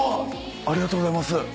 ありがとうございます。